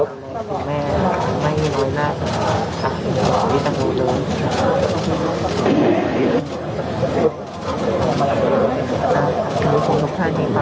ขอบคุณครับ